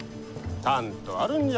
たんとあるんじゃ！